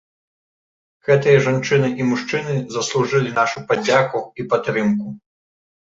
Гэтыя жанчыны і мужчыны заслужылі нашу падзяку і падтрымку.